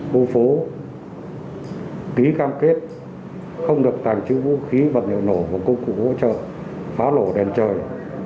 cô phố ký cam kết không được tàng trữ vũ khí và liệu nổ và công cụ hỗ trợ phá lổ đèn trời